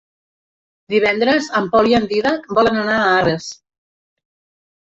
Divendres en Pol i en Dídac volen anar a Arres.